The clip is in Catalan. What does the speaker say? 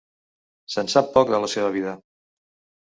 Se'n sap poc de la seva vida.